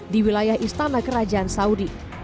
di wilayah istana kerajaan saudi